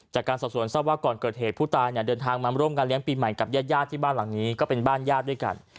จากการสอบสวนทราบว่าก่อนเกิดเหตุผู้ตายเนี่ยเดินทางมาร่วมงานเลี้ยงปีใหม่กับญาติญาติที่บ้านหลังนี้ก็เป็นบ้านญาติด้วยกัน